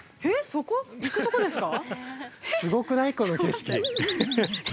そこ、行くとこですか！？